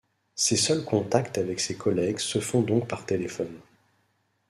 Ses seuls contacts avec ses collègues se font donc par téléphone.